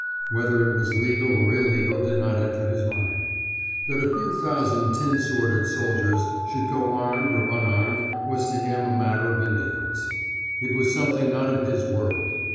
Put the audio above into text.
Whether it was legal or illegal did not enter his mind. That a few thousand tin sworded soldiers should go armed or unarmed was to him a matter of indifference. It was something not of his world.